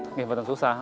ini benar benar susah